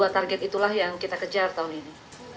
dua target itulah yang kita kejar tahun ini